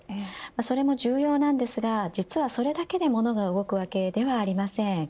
それも重要ですが実はそれだけで物が動くわけではありません。